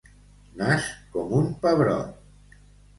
Nas com un pebrot.